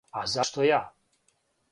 А зашто ја?